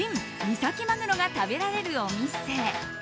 三崎マグロが食べられるお店。